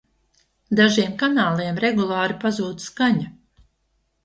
Dažiem kanāliem regulāri pazūd skaņa!